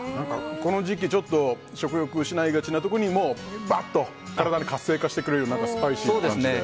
この時期、ちょっと食欲、失いがちな時にも体に活性化してくれるスパイシーな感じで。